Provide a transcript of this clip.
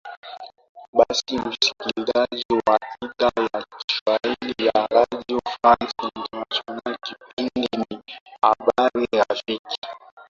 basi msikilizaji wa idhaa ya kiswahili ya redio france international kipindi ni habari rafiki